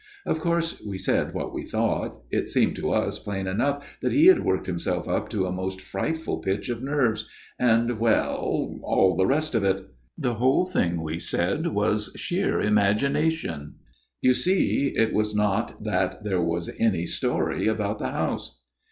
" Of course we said what we thought. It seemed to us plain enough that he had worked himself up to a most frightful pitch of nerves, and well, all the rest of it. The whole thing, we said, was sheer imagination ; you see, it was not that there was any story about the house.